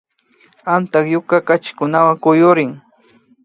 Antapyuka chakikunawan kuyurin